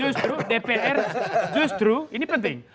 justru dpr justru ini penting